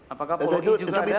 apakah pulau i juga ada